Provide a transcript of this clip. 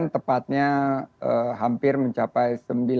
delapan puluh tepatnya hampir mencapai sembilan puluh